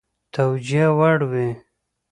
توجیه وړ وي.